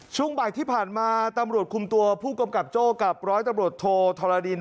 ช่วงบ่ายที่ผ่านมาตำรวจคุมตัวผู้กำกับโจ้กับร้อยตำรวจโทธรณดิน